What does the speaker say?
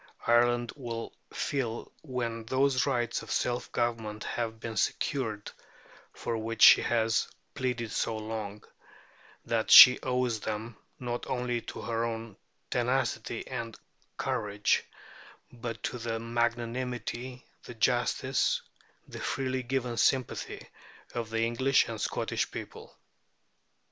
Ireland will feel, when those rights of self government have been secured for which she has pleaded so long, that she owes them, not only to her own tenacity and courage, but to the magnanimity, the justice, and the freely given sympathy of the English and Scottish people.